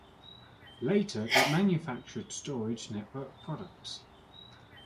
Later it manufactured storage network products.